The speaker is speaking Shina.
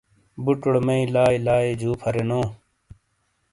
بوٹوڑے مئی لائی لائی جو پھا رے نو